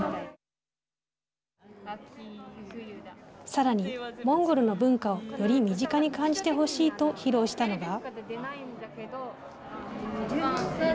さらに、モンゴルの文化をより身近に感じてほしいと披露したのが。